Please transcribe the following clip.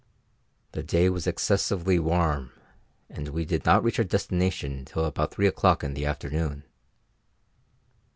The day was excessively warm, and we did not reach our destination till about three o'clock in the afternoon.